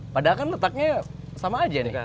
padahal kan letaknya sama aja nih kang